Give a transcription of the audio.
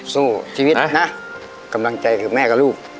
สู้ชีวิตนะกำลังใจคือแม่กับลูก